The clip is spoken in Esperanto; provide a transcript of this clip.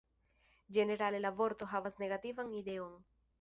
Ĝenerale la vorto havas negativan ideon.